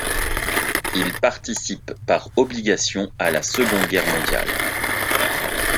Il participe par obligation à la Seconde Guerre mondiale.